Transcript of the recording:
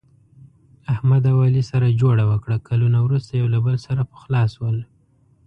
احمد او علي سره جوړه وکړه، کلونه ورسته یو له بل سره پخلا شول.